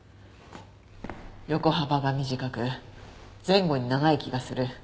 横幅が短く前後に長い気がする。